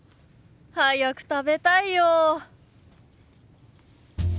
早く食べたいよ。